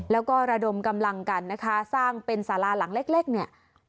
แล้วก็ระดมกำลังกันนะคะสร้างเป็นสาราหลังเล็กเนี่ย